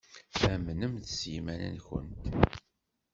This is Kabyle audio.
Amnemt s yiman-nkent.